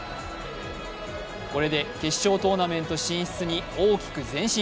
これで決勝トーナメント進出に大きく前進。